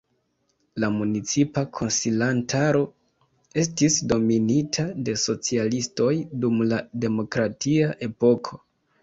La municipa konsilantaro estis dominita de socialistoj dum la demokratia epoko.